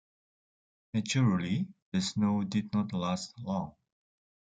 Naturally, the snow did not last long.